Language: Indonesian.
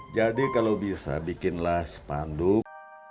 jadi kalau bisa bikinlah sepanduk